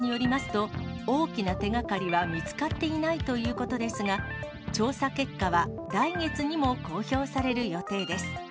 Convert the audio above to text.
地元メディアによりますと、大きな手がかりは見つかっていないということですが、調査結果は来月にも公表される予定です。